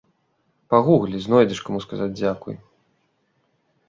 Пагуглі, знойдзеш каму сказаць дзякуй.